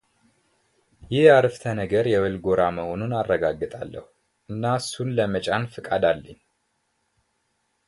ይህ ዓረፍተ ነገር የወል ጎራ መሆኑን አረጋግጣለሁ እና እሱን ለመጫን ፍቃድ አለኝ።